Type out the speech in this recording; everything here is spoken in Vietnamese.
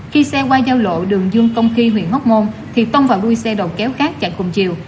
khi xe qua giao lộ đường dương công khi huyện hóc môn thì tông vào đuôi xe đầu kéo khác chặn cùng chiều